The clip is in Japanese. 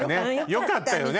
よかったよね